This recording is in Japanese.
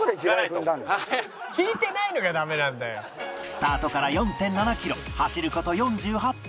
スタートから ４．７ キロ走る事４８分